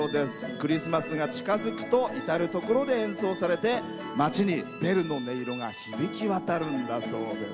クリスマスが近づくと至る所で演奏されて、町にベルの音色が響き渡るんだそうです。